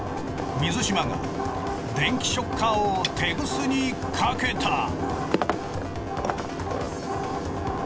水嶋が電気ショッカーをテグスにかけた。